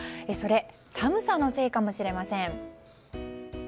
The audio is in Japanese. それ、寒さのせいかもしれません。